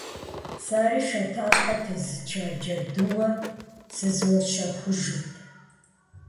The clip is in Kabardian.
Сэри шатащхьэр тезыча джэдууэ зызущэхужырт.